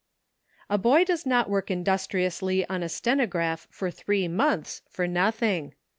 A boy does not work industriously on a stenograph for three months for nothing.